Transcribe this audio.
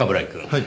はい。